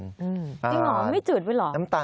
จริงเหรอมันไม่จูดไว้เหรอ